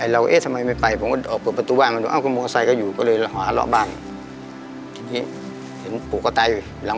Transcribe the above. เราเอ๊ะทำไมไม่ไป